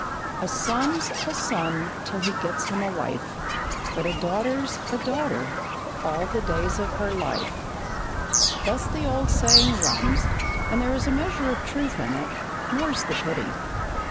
"A son's a son till he gets him a wife, But a daughter's a daughter all the days of her life." Thus the old saying runs, and there is a measure of truth in it, more's the pity.